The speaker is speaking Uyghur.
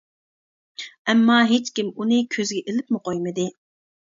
ئەمما ھېچكىم ئۇنى كۆزگە ئىلىپمۇ قويمىدى.